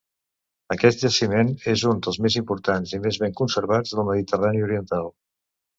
Aquest jaciment és un dels més importants i més ben conservats del Mediterrani oriental.